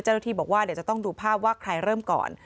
เจ้าหน้าที่บอกว่าเดี๋ยวจะต้องดูภาพว่าใครเริ่มก่อน